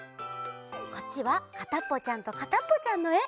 こっちは「かたっぽちゃんとかたっぽちゃん」のえ！